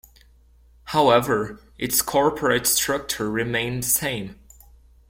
However, its corporate structure remained the same.